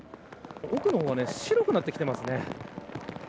奥の方は白くなってきてますね。